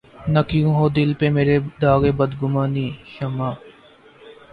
نہ کیوں ہو دل پہ مرے داغِ بدگمانیِ شمع